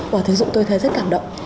và thực dụng tôi thấy rất cảm động